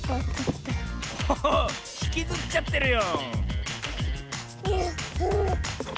おおっひきずっちゃってるよ